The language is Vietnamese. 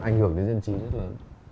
ảnh hưởng đến dân chí rất lớn